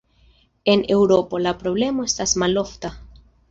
En Eŭropo la problemo estas malofta.